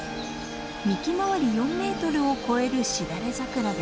幹回り４メートルを超えるしだれ桜です。